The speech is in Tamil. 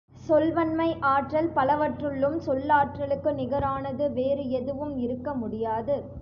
சொல்வன்மை ஆற்றல் பலவற்றுள்ளும் சொல்லாற்றலுக்கு நிகரானது வேறு எதுவும் இருக்க முடியாது.